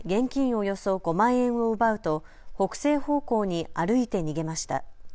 およそ５万円を奪うと北西方向に歩いて逃げました。